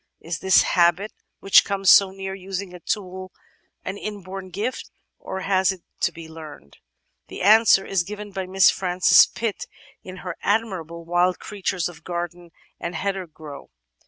Is this habit, which comes so near using a tool, an inborn gift or has it to be learned? The answer is given by Miss Frances Pitt in her 446 The Outline of Science admirable Wild Creatures of Garden and Hedgerow.